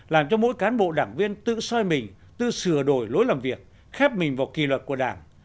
làm cho mỗi cán bộ đảng viên tự soi mình tự sửa đổi lối làm việc khép mình vào kỳ luật của đảng